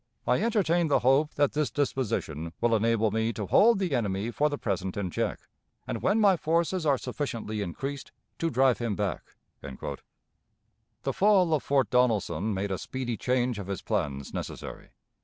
I entertain the hope that this disposition will enable me to hold the enemy for the present in check, and, when my forces are sufficiently increased, to drive him back." The fall of Fort Donelson made a speedy change of his plans necessary.